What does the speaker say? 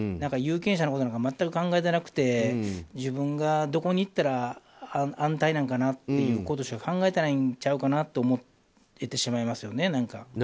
有権者のことなんか全く考えてなくて自分がどこに行ったら安泰なのかなっていうことしか考えてないんちゃうかなと思えてしまいますよね。